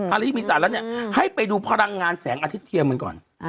อันนี้มีสาระให้ไปดูพลังงานแสงอาทิตย์เที่ยวกัน